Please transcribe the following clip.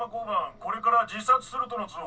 これから自殺するとの通報。